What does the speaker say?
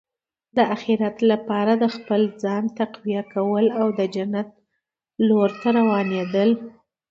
د اخرت لپاره د خپل ځان تقویه کول او د جنت لور ته روانېدل.